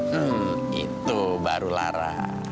hmm itu baru lara